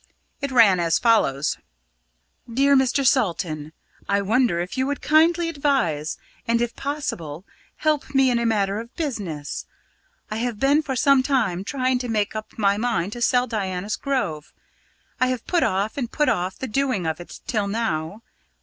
It ran as follows: "DEAR MR. SALTON, "I wonder if you would kindly advise, and, if possible, help me in a matter of business. I have been for some time trying to make up my mind to sell Diana's Grove, I have put off and put off the doing of it till now.